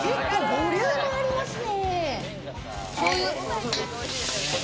ボリュームありますね。